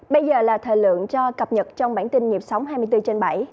bây giờ là thời lượng cho cập nhật trong bản tin nhịp sống hai mươi bốn trên bảy